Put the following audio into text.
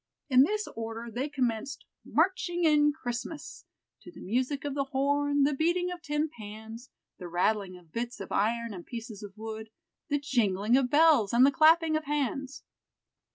In this order they commenced "marching in Christmas" to the music of the horn, the beating of tin pans, the rattling of bits of iron and pieces of wood, the jingling of bells, and the clapping of hands.